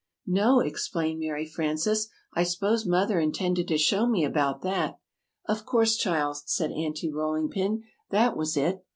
"No," explained Mary Frances, "I 'spose Mother intended to show me about that." "Of course, child," said Aunty Rolling Pin, "that was it.